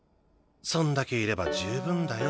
そんだけいれば十分だよ。